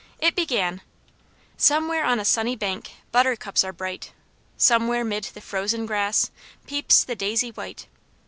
It began: "Somewhere on a sunny bank, buttercups are bright, Somewhere 'mid the frozen grass, peeps the daisy white."